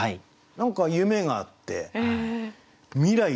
何か夢があって未来